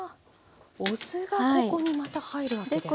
お酢がここにまた入るわけですか。